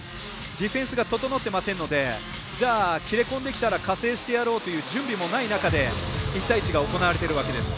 ディフェンスが整ってませんのでじゃあ、切れ込んできたら加勢してやろうという準備もない中で１対１が行われているわけです。